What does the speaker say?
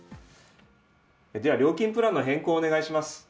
では、料金プランの変更をお願いします。